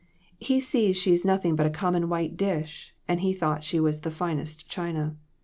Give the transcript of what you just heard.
He sees she's nothing but a common white dish, and he thought she was the finest china.